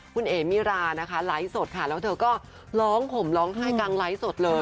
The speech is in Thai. คุณเอ๋มิรานะคะไลฟ์สดค่ะแล้วเธอก็ร้องห่มร้องไห้กลางไลฟ์สดเลย